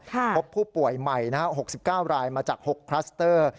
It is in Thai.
พบผู้ป่วยใหม่๖๙รายมาจาก๖คลัสเตอร์